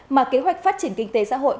mà kế hoạch phát triển kinh tế xã hội